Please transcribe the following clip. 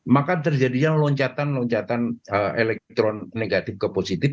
maka terjadinya loncatan loncatan elektronik negatif ke positif